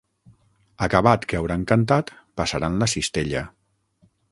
Acabat que hauran cantat, passaran la cistella.